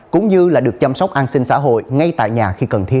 cũng như được chăm sóc an sinh xã hội